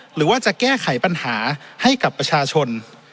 หรือว่าจะแก้ไขปัญหาให้กับประชาชน